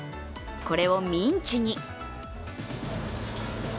これをミンチに。